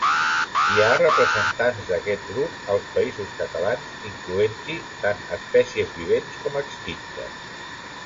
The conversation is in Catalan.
Hi ha representants d'aquest grup als Països Catalans, incloent-hi tant espècies vivents com extintes.